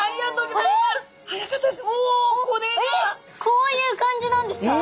こういう感じなんですか？